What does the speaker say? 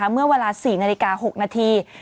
เมื่อเวลา๔นาฬิกา๖นาที